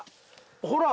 ほら！